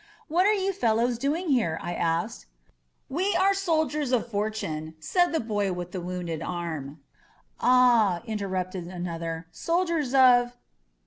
"What are you fellows doing here?" I asked. "We're soldiers of fortune!" said the boy with the wounded arm. "Aw !" interrupted another. "Soldiers of